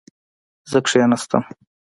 زه کښېناستم